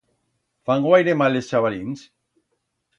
Fan guaire mal es chabalins?